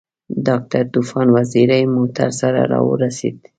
ډاکټر طوفان وزیری موټر سره راورسېد.